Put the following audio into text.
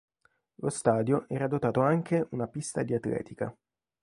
Lo stadio era dotato anche una pista di atletica.